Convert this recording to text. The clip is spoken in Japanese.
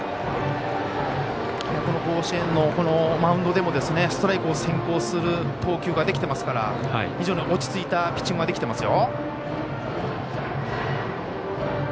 甲子園のマウンドでもストライクを先行する投球ができてますから非常に落ち着いたピッチングができていますよ。